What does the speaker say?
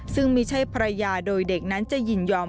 ซึ่งไม่ใช่ประยาโดยเด็กนั้นจะยินยอมเริ่มรับทราบ